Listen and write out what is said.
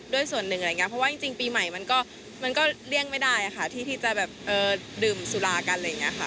ด้วยส่วนหนึ่งเพราะว่าจริงปีใหม่มันก็เรียงไม่ได้ค่ะที่จะดื่มสุฬากัน